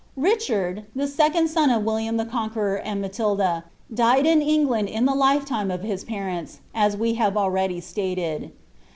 Ricliard, the second son of William the Conqueror and Matilda, died in England in the lifetime of his parents, as we have already stated.